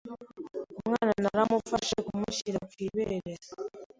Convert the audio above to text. Umwana naramufashe mushyira ku ibere